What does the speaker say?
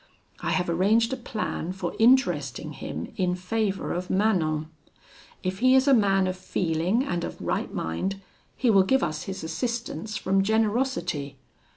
I have arranged a plan for interesting him in favour of Manon. If he is a man of feeling and of right mind, he will give us his assistance from generosity.